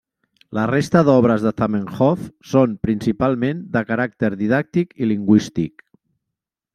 La resta d'obres de Zamenhof són principalment de caràcter didàctic i lingüístic.